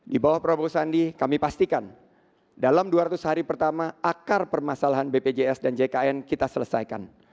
di bawah prabowo sandi kami pastikan dalam dua ratus hari pertama akar permasalahan bpjs dan jkn kita selesaikan